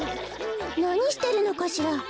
なにしてるのかしら？